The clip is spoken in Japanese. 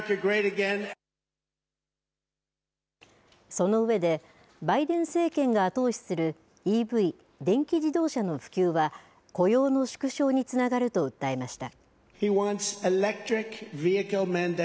その上でバイデン政権が後押しするＥＶ、電気自動車の普及は雇用の縮小につながると訴えました。